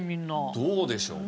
どうでしょうか？